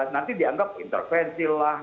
nanti dianggap intervensi lah